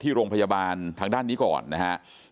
โรงพยาบาลทางด้านนี้ก่อนนะฮะ